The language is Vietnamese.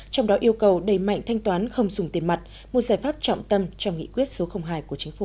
trong đó yêu cầu đầy mạnh thanh toán không dùng tiền mặt một giải pháp trọng tâm trong nghị quyết số hai của chính phủ